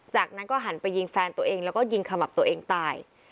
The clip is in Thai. จากนั้นก็หันไปยิงแฟนตัวเองแล้วก็ยิงขมับตัวเองตาย